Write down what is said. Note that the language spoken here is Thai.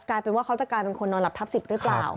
กลายเป็นว่าเขาจะกลายเป็นคนนอนหลับทับ๑๐หรือเปล่า